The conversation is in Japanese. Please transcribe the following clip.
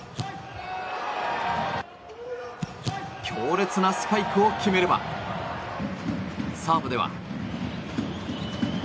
強烈なスパイクを決めればサーブでは。